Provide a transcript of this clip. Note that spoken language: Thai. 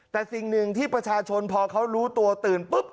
แต่สิ่งหนึ่งที่ประชาชนพอเขารู้ตัวตื่นปุ๊บ